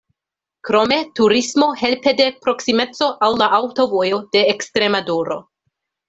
Krome turismo helpe de proksimeco al la Aŭtovojo de Ekstremaduro.